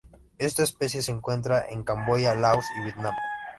Esta especie se encuentra en Camboya, Laos y Vietnam.